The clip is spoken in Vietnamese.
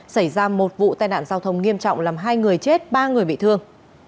xảy ra một vụ tai nạn giao thông nghiêm trọng làm hai người chết ba người bị thương